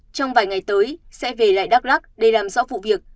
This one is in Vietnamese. trong vài ngày tới sẽ về lại đắk lắc để làm rõ vụ việc